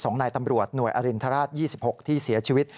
นายตำรวจหน่วยอรินทราช๒๖ที่เสียชีวิต